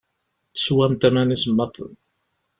Teswamt aman isemmaḍen.